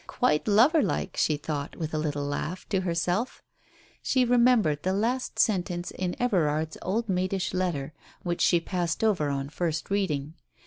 Quite loverlike, she thought, with a little laugh, to herself ! She remem bered the last sentence in Everard's old maidish letter, which she passed over on first reading.